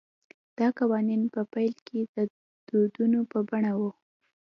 دا قوانین په پیل کې د دودونو په بڼه وو